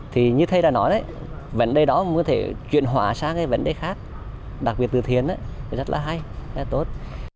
thì như thầy đã nói đấy vấn đề đó mới có thể chuyển hóa sang cái vấn đề khác đặc biệt từ thiền rất là hay rất là tốt